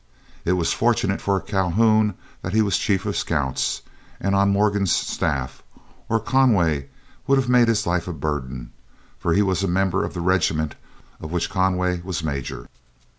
It was fortunate for Calhoun that he was chief of scouts, and on Morgan's staff, or Conway would have made his life a burden, for he was a member of the regiment of which Conway was major.